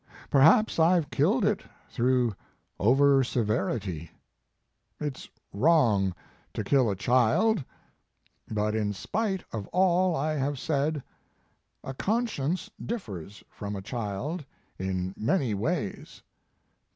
Perhaps I ve killed it through over severity. It s wrong to kill a child, but in spite of all I have said, a conscience differs from a child in many ways.